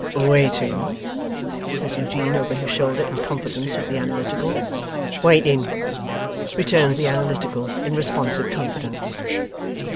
'Waiting?' says Eugene over his shoulder, in confidence, with the Analytical. 'Waiting,' returns the Analytical in responsive confidence.